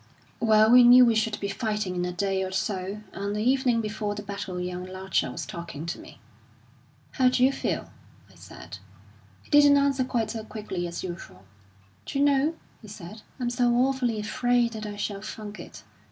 "Well, we knew we should be fighting in a day or so; and the evening before the battle young Larcher was talking to me. 'How d'you feel?' I said. He didn't answer quite so quickly as usual. 'D'you know,' he said, 'I'm so awfully afraid that I shall funk it.'